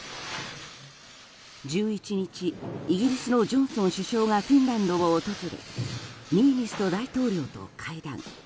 １１日イギリスのジョンソン首相がフィンランドを訪れニーニスト大統領と会談。